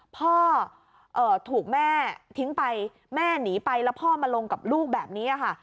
พ่อถูกแม่ทิ้งไปแม่หนีไปแล้วพ่อมาลงกับลูกแบบนี้ค่ะ